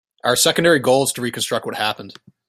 Our secondary goal is to reconstruct what happened.